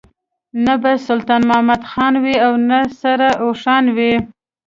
نه به سلطان محمد خان وي او نه سره اوښان وي.